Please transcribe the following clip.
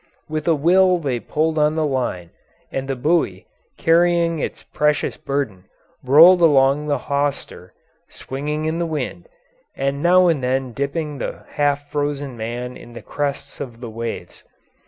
With a will they pulled on the line, and the buoy, carrying its precious burden, rolled along the hawser, swinging in the wind, and now and then dipping the half frozen man in the crests of the waves.